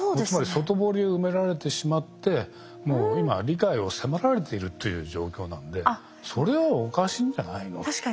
つまり外堀を埋められてしまってもう今理解を迫られているという状況なんでそれはおかしいんじゃないのと。